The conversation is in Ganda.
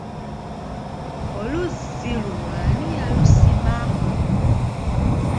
Oluzzi luno ani yalusima?